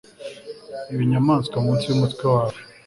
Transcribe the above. ibinyamanswa munsi yumutwe wawe